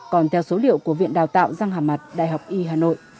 còn theo số liệu của viện đào tạo răng hà mặt đại học y hà nội